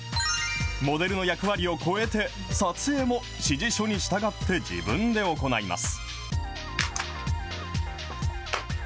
モデルの役割を超えて、撮影も指示書に従って自分で行います。